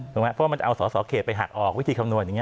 ไหมเพราะว่ามันจะเอาสอสอเขตไปหักออกวิธีคำนวณอย่างนี้